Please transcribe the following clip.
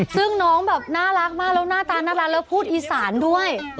ซึ่งน้องแบบน่ารักมากแล้วหน้าตาน่ารักแล้วพูดอีสานด้วย